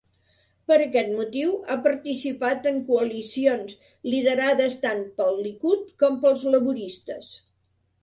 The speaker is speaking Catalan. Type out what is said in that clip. Per aquest motiu, ha participat en coalicions liderades tant pel Likud com pels laboristes.